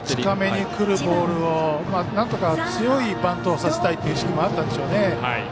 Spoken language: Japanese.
近めにくるボールをなんとか強いバントをさせたいという意識もあったんでしょうね。